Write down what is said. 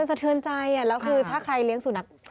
สะเทือนใจแล้วคือถ้าใครเลี้ยงสุนัข